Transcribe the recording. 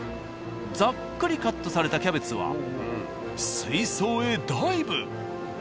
ざっくりカットされたキャベツは水槽へダイブ。